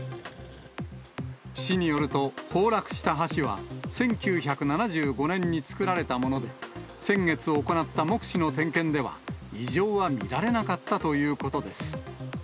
市によると、崩落した橋は１９７５年に作られたもので、先月行った目視の点検では、異常は見られなかったということです。